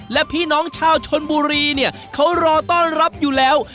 และพี่น้องชาวชนบุรีเนี่ยเขารอต้อนรับอยู่แล้ว